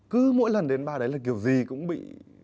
cứ mỗi lần đến ba đấy là kiểu gì cũng bị